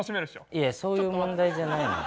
いやそういう問題じゃないのよ。